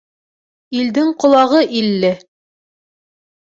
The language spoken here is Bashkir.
Илдең ҡолағы илле.